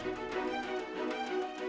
kita berdua berdua selama tahun